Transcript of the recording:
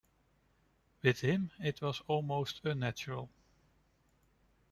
With him it was most unnatural.